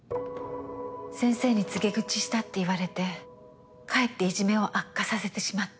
先生に告げ口したって言われてかえっていじめを悪化させてしまった。